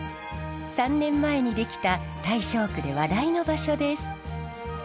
３年前にできた大正区で話題の場所です。